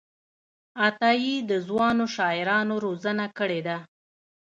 عطاييد ځوانو شاعرانو روزنه کړې ده.